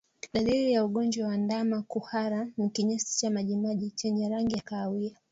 Dalili ya ugonjwa wa ndama kuhara ni kinyesi cha majimaji chenye rangi ya kahawia